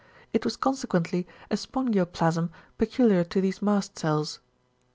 It was consequently a spongioplasm peculiar to these mast cells."